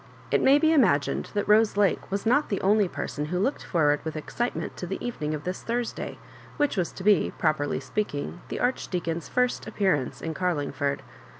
It mny be imagined that Bose Lake was not the only person who looked forward with excitement to the evening of this Thursday, which was to be, properly speaking, the Archdeacon's first appearance in Carlingford.